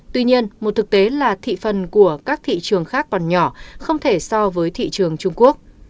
tuy nhiên một thực tế là thị phần của các thị trường khác còn nhỏ không thể so với thị trường trung quốc